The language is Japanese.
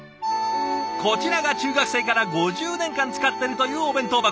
こちらが中学生から５０年間使っているというお弁当箱。